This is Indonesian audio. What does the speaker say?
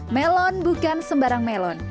melon bukan sembarang melon